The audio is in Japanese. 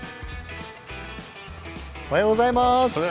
おはようございます。